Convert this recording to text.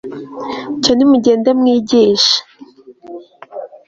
cyo nimugende mwigishe